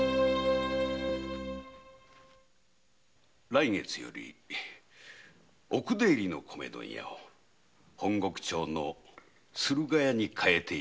来月より奥出入りの米問屋を本石町の駿河屋に変えて頂きとうございます。